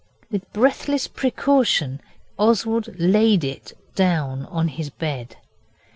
With breathless precaution Oswald laid it down on his bed.